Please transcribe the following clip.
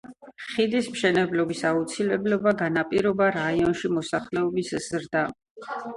ხიდის მშენებლობის აუცილებლობა განაპირობა რაიონში მოსახლეობის ზრდამ.